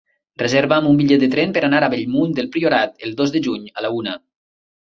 Reserva'm un bitllet de tren per anar a Bellmunt del Priorat el dos de juny a la una.